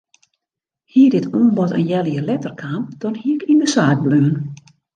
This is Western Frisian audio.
Hie dit oanbod in healjier letter kaam dan hie ik yn de saak bleaun.